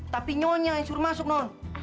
tapi nyonya yang suruh masuk non